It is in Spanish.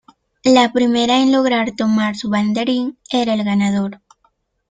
La primera en lograr tomar su banderín era el ganador.